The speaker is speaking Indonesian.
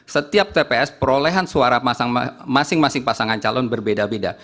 setiap tps perolehan suara masing masing pasangan calon berbeda beda